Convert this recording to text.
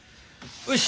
よし。